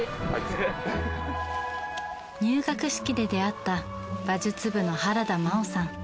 入学式で出会った馬術部の原田真緒さん。